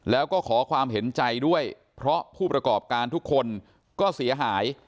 แล้วก็ขอความเห็นใจด้วยเพราะผู้ประกอบการทุกคนก็เสียหาย